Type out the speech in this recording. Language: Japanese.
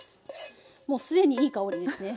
もう既にいい香りですね。